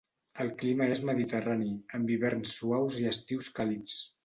El clima és mediterrani, amb hiverns suaus i estius càlids.